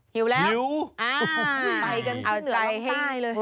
หิวแล้วอ่าฮือหือฮือไปกันที่เหนือหลังใต้